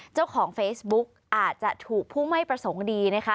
เจ้าของเฟซบุ๊กอาจจะถูกผู้ไม่ประสงค์ดีนะคะ